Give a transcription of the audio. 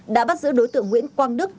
đã bắt giữ đối tượng nguyễn quang đức